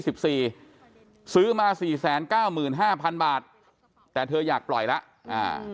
ไซส์๒๔ซื้อมา๔๙๕๐๐๐บาทแต่เธออยากปล่อยแล้ว